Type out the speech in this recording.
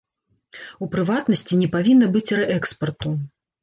У прыватнасці, не павінна быць рээкспарту.